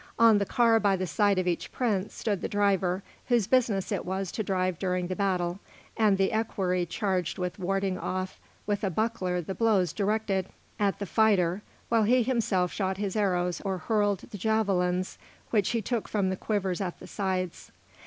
On the car, by the side of each prince, stood the driver, whose business it was to drive during the battle, and the equerry charged with warding off with a buckler the blows directed at the fighter, while he himself shot his arrows or hurled the javelins which he took from the quivers at the sides.